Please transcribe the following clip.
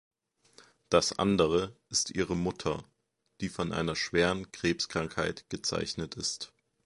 Das andere ist ihre Mutter, die von einer schweren Krebskrankheit gezeichnet ist.